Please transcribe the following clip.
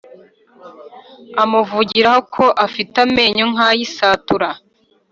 amuvugiraho ko afite amenyo nkayisatura!"